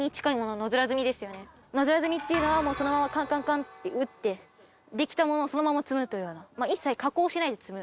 野面積みっていうのはそのままカンカンカンって打ってできたものをそのまま積むというような一切加工しないで積む。